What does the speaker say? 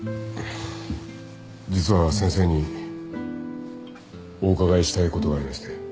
実は先生にお伺いしたいことがありまして。